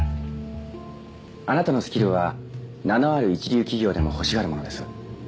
あなたのスキルは名のある一流企業でも欲しがるものです。